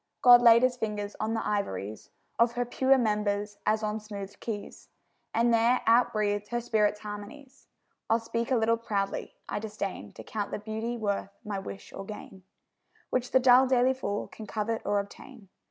God laid His fingers on the ivories Of her pure members as on smoothèd keys, And there out breathed her spirit's harmonies. I'll speak a little proudly: I disdain To count the beauty worth my wish or gain, Which the dull daily fool can covet or obtain.